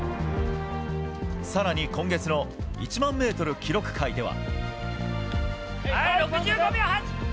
更に今月の１００００ｍ記録会では。